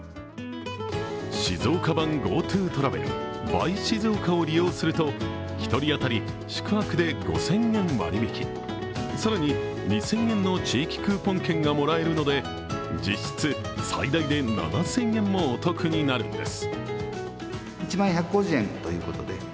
静岡版ＧｏＴｏトラベルバイ・シズオカを利用すると１人当たり宿泊で５０００円割引き、更に、２０００円の地域クーポン券がもらえるので実質、最大で７０００円もお得になるんです。